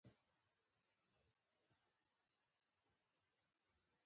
بولاني له کچالو ډکیږي که ګندنه؟